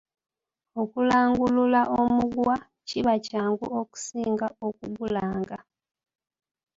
Okulangulula omugwa kiba kyangu okusinga okugulanga.